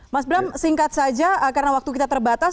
mas bram singkat saja karena waktu kita terbatas